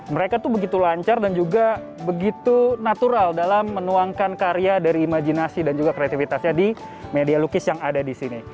mereka tuh begitu lancar dan juga begitu natural dalam menuangkan karya dari imajinasi dan juga kreativitasnya di media lukis yang ada di sini